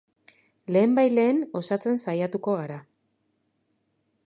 Lehenbailehen osatzen saiatuko gara.